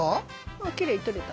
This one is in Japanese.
あきれいに撮れた。